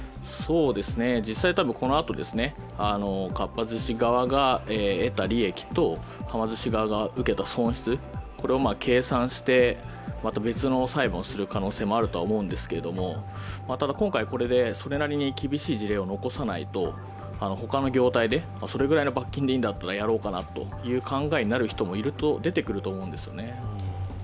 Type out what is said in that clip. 実際、このあと、かっぱ寿司側が得た利益とはま寿司側が受けた損失を計算して別の裁判をする可能性があると思うんですけど、ただ今回、それなりに厳しい事例を残さないと他の業態でそれぐらいの罰金でいいんだったらやろうかなという考えになる人も出てくると思うんですね。